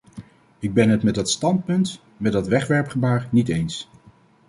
Ik ben het met dat standpunt, met dat wegwerpgebaar, niet eens.